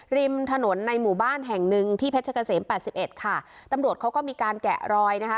ริมถนนในหมู่บ้านแห่งหนึ่งที่เพชรเกษมแปดสิบเอ็ดค่ะตำรวจเขาก็มีการแกะรอยนะคะ